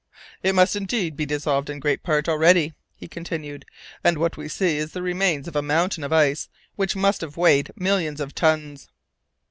"It must indeed be dissolved in great part already," he continued, "and what we see is the remains of a mountain of ice which must have weighed millions of tons."